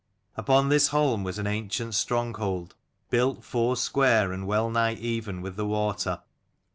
Upon this holm was an ancient stronghold, built foursquare, and well nigh even with the water.